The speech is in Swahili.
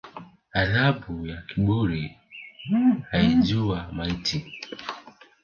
Adhabu ya kaburi aijua maiti